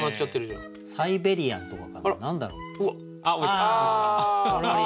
サイベリアンとかかな何だろう。